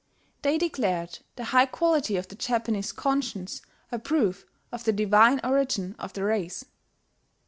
They declared the high quality of the Japanese conscience a proof of the divine origin of the race.